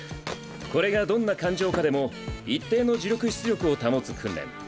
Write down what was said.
これがどんな感情下でも一定の呪力出力を保つ訓練。